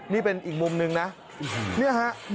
นี้เป็นอีกมุม้นึงนี้นะครับ